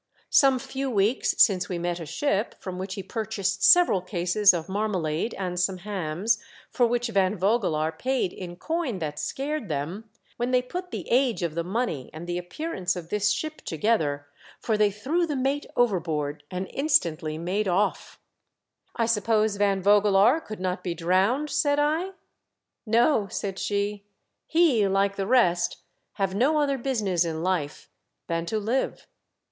Some few weeks since we met a ship, from which he purchased several cases of marma lade and some hams, for which Van Vogelaar paid in coin that scared them, when they put the age of the money and the appearance of this ship together ; for they threw the mate overboard and instantly made off" o 194 '^'^^ DEATH SHIP. " I suppose Van Vogelaar could not be drowned ?" said I. " No," said she ;" he, hke the rest, have no other business in life than to live.